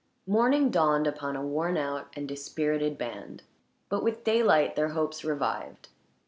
Morning dawned upon a worn out and dispirited band, but with daylight their hopes revived.